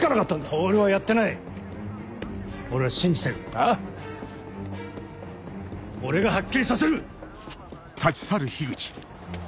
俺がはっきりさせる！